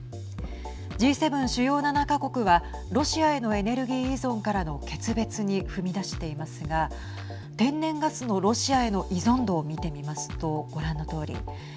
Ｇ７、主要７か国はロシアへのエネルギー依存からの決別に踏み出していますが天然ガスのロシアへの依存度を見てみますとご覧のとおり。